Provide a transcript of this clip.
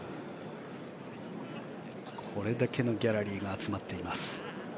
これだけのギャラリーが集まっています。